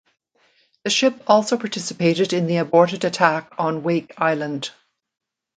The ship also participated in the aborted attack on Wake Island.